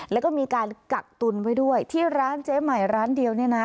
แล้วก็มีการกักตุนไว้ด้วยที่ร้านเจ๊ใหม่ร้านเดียวเนี่ยนะ